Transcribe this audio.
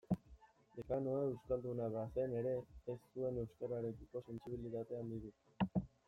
Dekanoa euskalduna bazen ere, ez zuen euskararekiko sentsibilitate handirik.